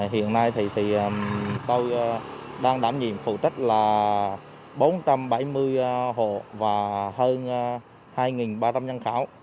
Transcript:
hiện nay thì tôi đang đảm nhiệm phụ trách là bốn trăm bảy mươi hộ và hơn hai ba trăm linh nhân khẩu